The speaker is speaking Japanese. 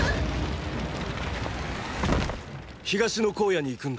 東の荒野に行くんだ。